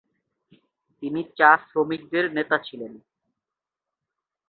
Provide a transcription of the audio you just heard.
তিনি চা শ্রমিকদের নেতা ছিলেন।